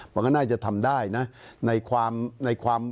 มันก็น่าจะทำได้นะ